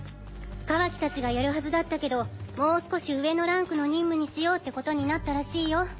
カワキたちがやるはずだったけどもう少し上のランクの任務にしようってことになったらしいよ。